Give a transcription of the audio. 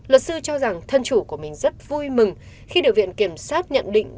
luật sư cho rằng thân chủ của mình rất vui mừng khi điều viện kiểm soát nhận định